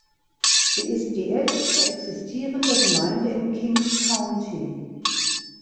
Sie ist die älteste existierende Gemeinde im Kings County.